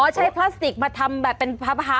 ใช้พลาสติกมาทำแบบเป็นพับ